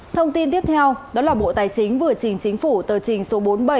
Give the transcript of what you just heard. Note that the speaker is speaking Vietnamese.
thông tin tiếp theo đó là bộ tài chính vừa trình chính phủ tờ trình số bốn mươi bảy